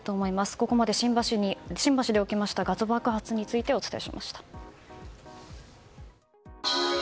ここまで新橋で起きましたガス爆発についてお伝えしました。